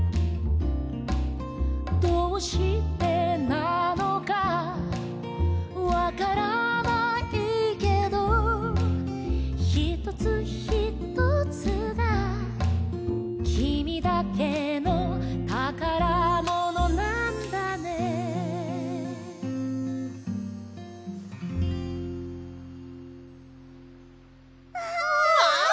「どうしてなのかわからないけど」「ひとつひとつがきみだけのたからものなんだね」わい！